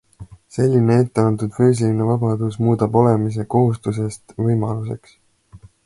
Selline etteantud füüsiline vabadus muudab olemise kohustusest võimaluseks.